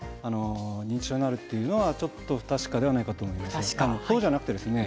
認知症になるというのは不確かではないかと思います。